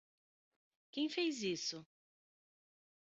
Quem fez isso?